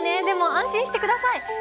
でも安心してください。